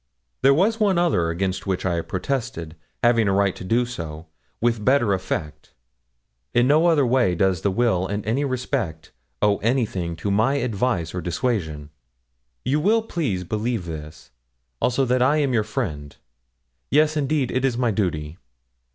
There was one other against which I protested having a right to do so with better effect. In no other way does the will in any respect owe anything to my advice or dissuasion. You will please believe this; also that I am your friend. Yes, indeed, it is my duty.'